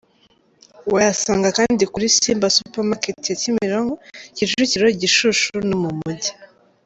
Wayasanga kandi kuri Simba Supermarket ya Kimironko, Kicukiro, Gishushu no mu mujyi.